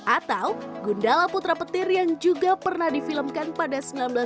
atau gundala putra petir yang juga pernah difilmkan pada seribu sembilan ratus sembilan puluh